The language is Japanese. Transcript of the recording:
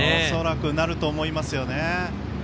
恐らくなると思いますよね。